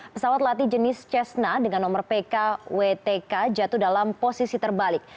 pesawat latih jenis cessna dengan nomor pkwtk jatuh dalam posisi terbalik